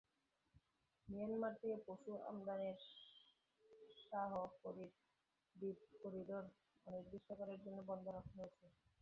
Myanmar থেকে পশু আমদানির শাহপরীর দ্বীপ করিডর অনির্দিষ্টকালের জন্য বন্ধ রাখা হয়েছে।